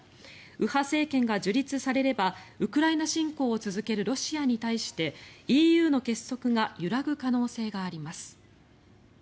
右派政権が樹立されればウクライナ侵攻を続けるロシアに対してＥＵの結束が揺らぐ可能性があります。